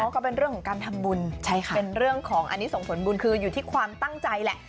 ก็เป็นเรื่องของการทำบุญเป็นเรื่องของอันนี้ส่งผลบุญคืออยู่ที่ความตั้งใจแหละ